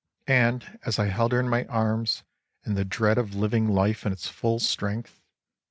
And as I held her in my arms and the dread of living life in its full strength